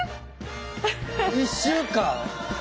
１週間？